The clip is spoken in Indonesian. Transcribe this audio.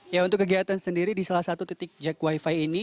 ya untuk kegiatan sendiri di salah satu titik jak wifi ini